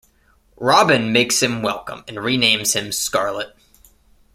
Robin makes him welcome and renames him Scarlet.